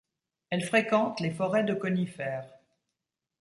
Elle fréquente les forêts de conifères.